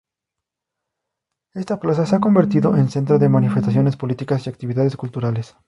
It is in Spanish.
Esta plaza se ha convertido en centro de manifestaciones políticas y actividades culturales.